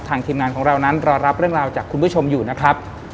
ทีมงานของเรานั้นรอรับเรื่องราวจากคุณผู้ชมอยู่นะครับ